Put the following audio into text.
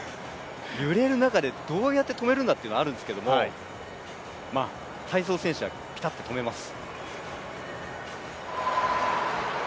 揺れる中でどうやって止めるんだというのがあるんですけど、体操選手はピタッと止めます。